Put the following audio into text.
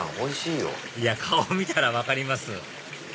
いや顔見たら分かります